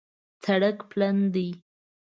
سړک پلن دی